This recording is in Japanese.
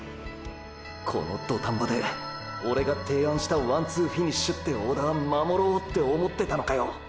この土壇場でオレが提案したワンツーフィニッシュってオーダー守ろうって思ってたのかよ